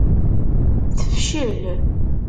Tefcel.